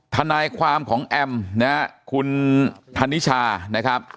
ทนายความของแอมนะฮะคุณธนิชานะครับ